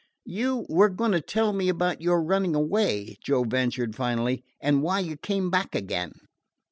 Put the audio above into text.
"You were going to tell me about your running away," Joe ventured finally, "and why you came back again."